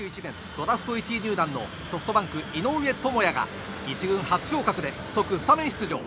ドラフト１位入団のソフトバンク、井上朋也が１軍初昇格で即スタメン出場。